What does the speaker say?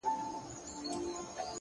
هره پریکړه د راتلونکي نقشه بدلوي!.